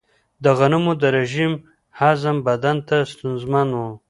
د غنمو د رژیم هضم بدن ته ستونزمن و.